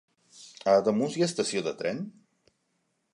A Ademús hi ha estació de tren?